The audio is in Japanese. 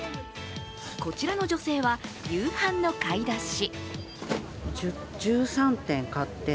こちらの女性は、夕飯の買い出し。